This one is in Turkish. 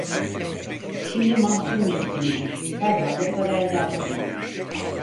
Şimdi mahsul mevsimidir, herhalde para eder dedi.